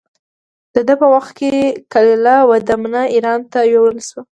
د ده په وخت کې کلیله و دمنه اېران ته یووړل شوه.